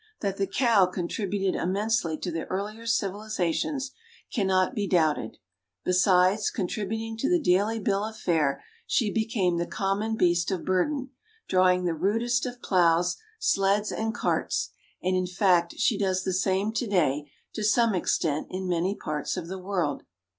That the cow contributed immensely to the earlier civilizations cannot be doubted. Besides contributing to the daily bill of fare she became the common beast of burden, drawing the rudest of plows, sleds and carts, and in fact she does the same to day to some extent in many parts of the world.